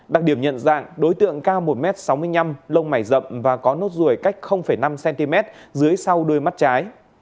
đặc điểm nhận dạng đối tượng cao một m sáu mươi năm lông mảy rậm và có nốt ruồi cách năm cm dưới sau đuôi mắt trái